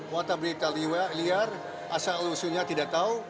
watak berita liar asal usulnya tidak tahu